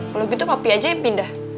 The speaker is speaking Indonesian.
kalau gitu kopi aja yang pindah